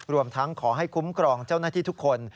รวมทั้งขอให้คุ้มครองเจ้าหน้าที่ทุกคน